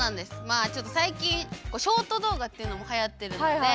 まあちょっと最近ショート動画っていうのもはやってるので。